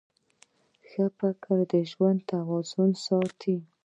ښه فکر د ژوند توازن ساتي.